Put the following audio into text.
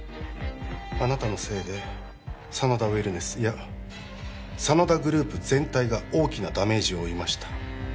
あなたのせいで真田ウェルネスいや真田グループ全体が大きなダメージを負いました